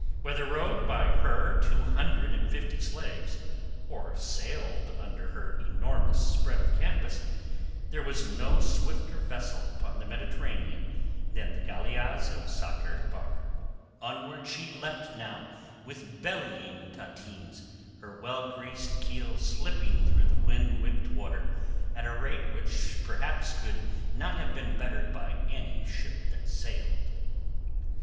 Whether rowed by her two hundred and fifty slaves, or sailed under her enormous spread of canvas, there was no swifter vessel upon the Mediterranean than the galeasse of Sakr el Bahr. Onward she leapt now with bellying tateens, her well greased keel slipping through the wind whipped water at a rate which perhaps could not have been bettered by any ship that sailed.